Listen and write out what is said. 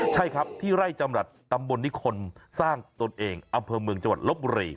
ใช่ครับที่ไร่จำหนัดตำบลนิคคลตัวเองอำเภอเมืองจัวร์รบรี